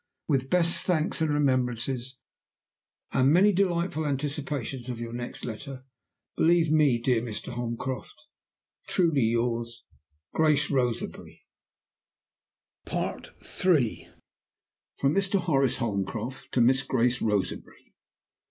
With best thanks and remembrances, and many delightful anticipations of your next letter, believe me, dear Mr. Holmcroft, "Truly yours, "GRACE ROSEBERRY." III. From MR. HORACE HOLMCROFT to MISS GRACE ROSEBERRY.